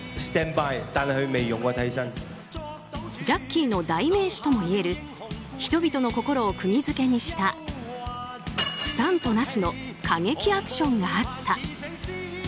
ジャッキーの代名詞ともいえる人々の心を釘付けにしたスタントなしの過激アクションがあった。